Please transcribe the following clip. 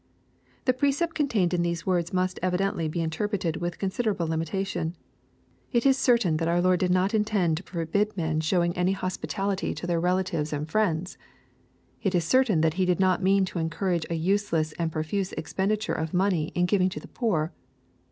The precept contained in these words must evidently be interpreted with considerable limitation. It is certain that our Lord did not intend to forbid men showing any 1* 154 EXPOSITORY THOUGHTS. hospitality to their relatives and friends. It is ceitain that He did not mean to encourage a useless and pro fuse expenditure of money in giving to the poor.